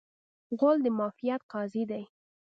غول د معافیت قاضي دی.